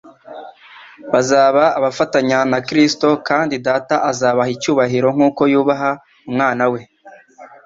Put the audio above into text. Bazaba abafatanya na Kristo, kandi Data azabaha icyubahiro nk'uko yubaha Umwana we.